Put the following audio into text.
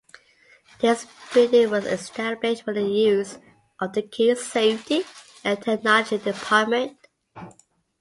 This building was established for the use of the Keene Safety and Technology department.